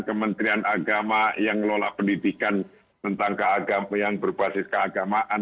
kementerian agama yang ngelola pendidikan tentang keagamaan yang berbasis keagamaan